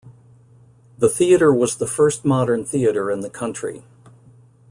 The theater was the first modern theater in the country.